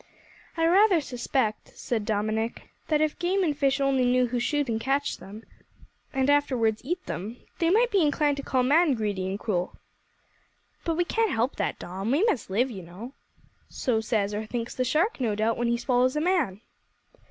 "I rather suspect," said Dominick, "that if game and fish only knew who shoot and catch them, and afterwards eat them, they might be inclined to call man greedy and cruel." "But we can't help that Dom. We must live, you know." "So says or thinks the shark, no doubt, when he swallows a man."